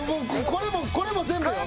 これもこれも全部よ。